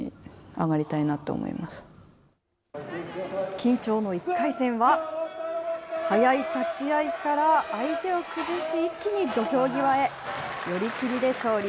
緊張の１回戦は、速い立ち合いから相手を崩し、一気に土俵際へ、寄り切りで勝利。